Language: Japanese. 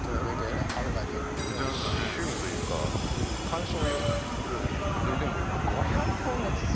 じゃあ趣味というか観賞用？